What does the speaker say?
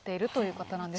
そうです。